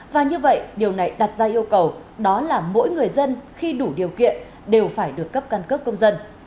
và như vậy điều này đặt ra yêu cầu đó là mỗi người dân khi đủ điều kiện đều phải được cấp căn cước công dân